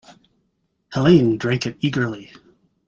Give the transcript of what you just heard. Helene drank it eagerly.